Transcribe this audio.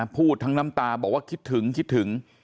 พูดทั้งน้ำตาบอกว่าคิดถึงคิดถึง